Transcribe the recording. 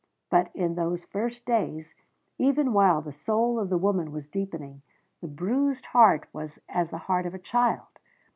But in those first days, even while the soul of the woman was deepening, the bruised heart was as the heart of a child.